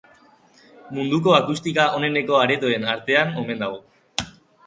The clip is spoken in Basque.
Munduko akustika oneneko aretoen artean omen dago.